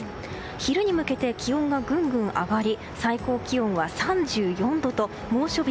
昼に向けて気温がぐんぐん上がり最高気温は３４度と猛暑日